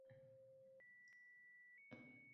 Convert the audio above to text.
Nozik liboslar kiyishadi a